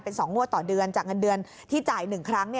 เป็น๒งวดต่อเดือนจากเงินเดือนที่จ่าย๑ครั้ง